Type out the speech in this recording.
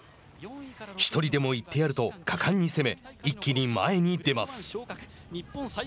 １人でも行ってやると果敢に攻め、一気に前に出ます。